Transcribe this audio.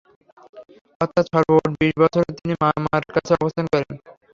অর্থাৎ সর্বমোট বিশ বছর তিনি মামার কাছে অবস্থান করেন।